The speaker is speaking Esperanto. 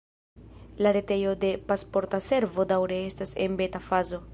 La retejo de Pasporta Servo daŭre estas en beta-fazo.